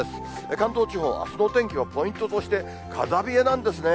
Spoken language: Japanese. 関東地方、あすのお天気のポイントとして、風冷えなんですね。